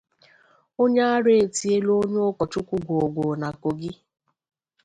Onye Ara Etiena Onye Ụkọchukwu Gwoo Gwoo Na Kogi